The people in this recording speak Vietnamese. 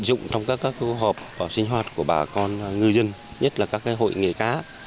dụng trong các hộp sinh hoạt của bà con người dân nhất là các hội nghề cá